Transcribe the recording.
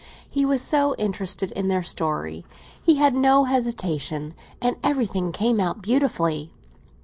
He was so interested in their story. He had no hesitation, and everything came out beautifully.